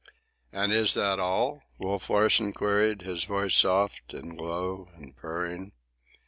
"And is that all?" Wolf Larsen queried, his voice soft, and low, and purring.